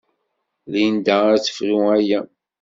Linda ad tefru aya.